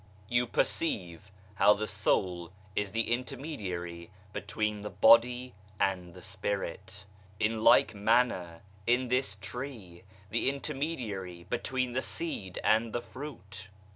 You perceive how the soul is the intermediary between the body and the Spirit. In like manner is this tree * the intermediary between the seed and the fruit.